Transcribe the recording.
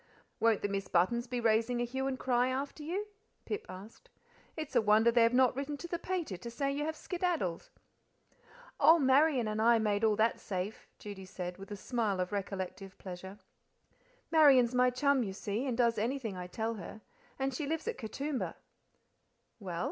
"Won't the Miss Buttons be raising a hue and cry after you?" Pip asked. "It's a wonder they've not written to the pater to say you have skedaddled." "Oh! Marian and I made that all safe," Judy said, with a smile of recollective pleasure. "Marian's my chum, you see, and does anything I tell her. And she lives at Katoomba." "Well?"